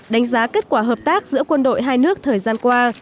đánh giá kết quả hợp tác giữa quân đội hai nước thời gian qua